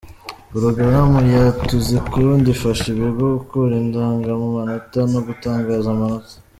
Porogaramu ya Tuzikunde ifasha ibigo gukora indangamanota no gutangaza amanota